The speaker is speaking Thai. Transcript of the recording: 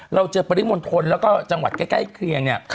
เราเจอปริมณฑลแล้วก็จังหวัดใกล้เคียงเนี่ย